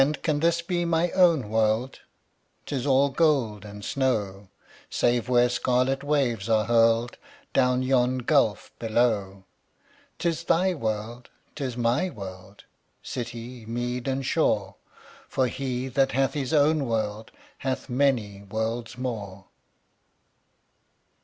"And can this be my own world? 'Tis all gold and snow, Save where scarlet waves are hurled Down yon gulf below." "'Tis thy world, 'tis my world, City, mead, and shore, For he that hath his own world Hath many worlds more."